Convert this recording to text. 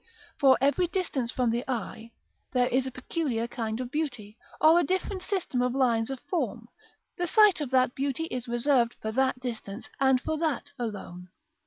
For every distance from the eye there is a peculiar kind of beauty, or a different system of lines of form; the sight of that beauty is reserved for that distance, and for that alone.